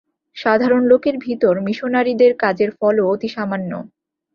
সাধারণ লোকের ভিতর মিশনরীদের কাজের ফলও অতি সামান্য।